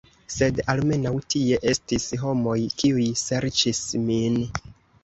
Sed almenaŭ tie estis homoj, kiuj serĉis min.